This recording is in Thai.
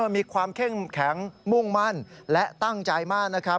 มีความเข้มแข็งมุ่งมั่นและตั้งใจมากนะครับ